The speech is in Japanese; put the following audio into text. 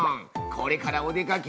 これからお出かけ？